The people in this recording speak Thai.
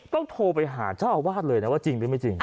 ต้องโทรไปหาชาวบ้านเลยนะว่าจริงหรือไม่จริง